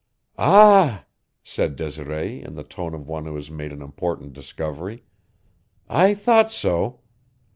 "Ah," said Desiree in the tone of one who has made an important discovery, "I thought so.